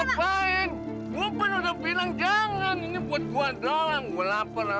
ngapain gua pun udah bilang jangan ini buat gua doang gua lapar ah